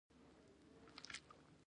خو هغه له ما سره په خبرو کې وويل.